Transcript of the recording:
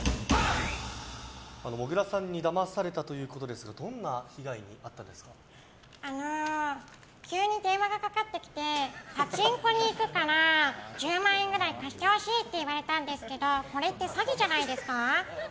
もぐらさんにだまされたってことですがあの急に電話がかかってきてパチンコに行くから１０万円くらい貸してほしいって言われたんですけどこれって詐欺じゃないですか？